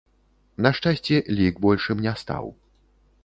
На шчасце, лік большым не стаў.